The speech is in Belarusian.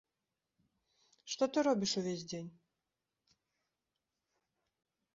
Што ты робіш ўвесь дзень?